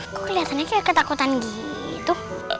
kok kelihatannya kayak ketakutan gitu